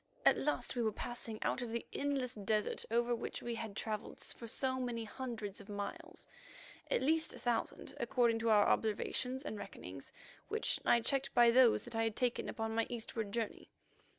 At last we were passing out of the endless desert over which we had travelled for so many hundreds of miles; at least a thousand, according to our observations and reckonings, which I checked by those that I had taken upon my eastward journey.